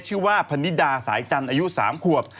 ชื่อว่าพนิดาสายจันทร์อายุ๓ควบ